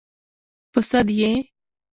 _ په سد يې؟